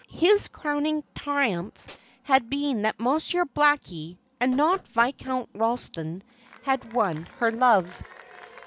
His crowning triumph had been that Monsieur Blackie, and not Viscount Ralston, had won her love.